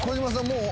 もう。